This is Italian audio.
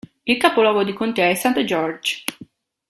Il capoluogo di contea è St. George.